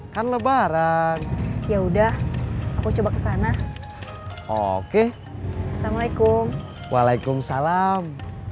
yaudah aku coba kesana oke assalamualaikum waalaikumsalam